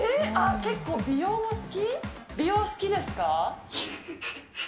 結構美容も好き？